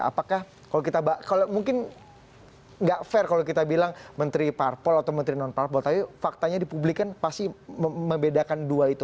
apakah kalau kita kalau mungkin nggak fair kalau kita bilang menteri parpol atau menteri non parpol tapi faktanya dipublikkan pasti membedakan dua itu